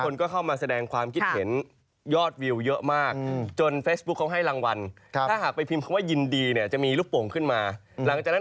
นึกว่าเขานี่เองที่ทำให้คนตื่นกลัว